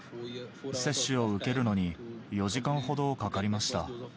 接種を受けるのに、４時間ほどかかりました。